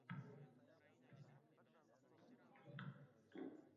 Bo‘taev ham shunday bir himoyaga mahtal ekan